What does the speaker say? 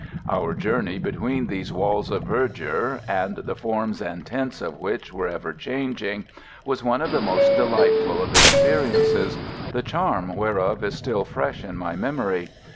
Our journey between these walls of verdure, the forms and tints of which were ever changing, was one of the most delightful of experiences, the charm whereof is still fresh in my memory.